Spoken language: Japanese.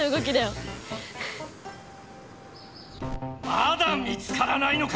まだ見つからないのか！